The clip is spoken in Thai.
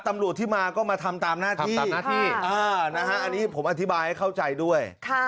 ตำรวจที่มาก็มาทำตามหน้าที่หน้าที่อันนี้ผมอธิบายให้เข้าใจด้วย